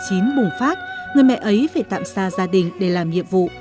khi dịch covid một mươi chín bùng phát người mẹ ấy phải tạm xa gia đình để làm nhiệm vụ